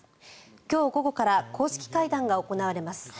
今日午後から公式会談が行われます。